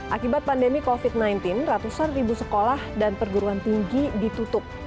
akibat pandemi covid sembilan belas ratusan ribu sekolah dan perguruan tinggi ditutup